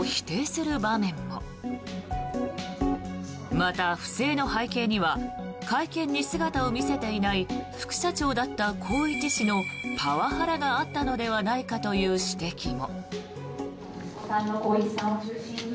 また、不正の背景には会見に姿を見せていない副社長だった宏一氏のパワハラがあったのではないかという指摘も。